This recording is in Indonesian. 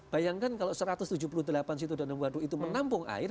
bayangkan kalau satu ratus tujuh puluh delapan situ danau waduk itu menampung air